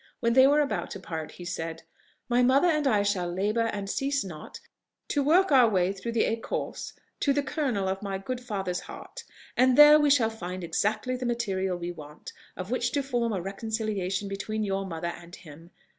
When they were about to part, he said, "My mother and I shall labour, and cease not, to work our way through the écorce to the kernel of my good father's heart; and there we shall find exactly the material we want, of which to form a reconciliation between your mother and him.